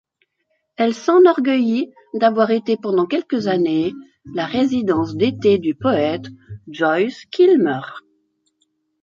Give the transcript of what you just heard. Elle s'enorgueillit d'avoir été pendant quelques années la résidence d'été du poète Joyce Kilmer.